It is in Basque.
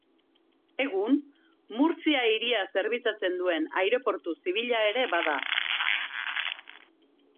Egun, Murtzia hiria zerbitzatzen duen aireportu zibila ere bada.